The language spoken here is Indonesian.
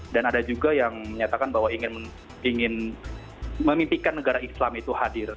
dan ada juga yang menyatakan bahwa ingin memimpikan negara islam itu hadir